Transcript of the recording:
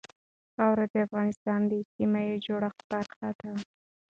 خاوره د افغانستان د اجتماعي جوړښت برخه ده.